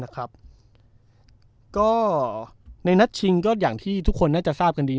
ก็นัดชิงก็อย่างที่ทุกคนน่าจะทราบกันดี